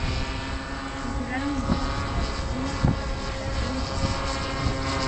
Procuraron impor súa doutrina pola predicación e pola guerra.